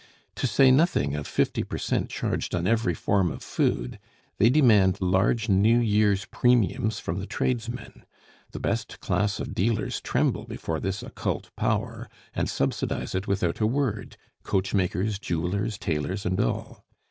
To say nothing of fifty per cent charged on every form of food, they demand large New Year's premiums from the tradesmen. The best class of dealers tremble before this occult power, and subsidize it without a word coachmakers, jewelers, tailors, and all.